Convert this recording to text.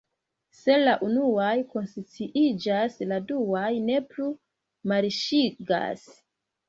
Se la unuaj konsciiĝas, la duaj ne plu marŝigas.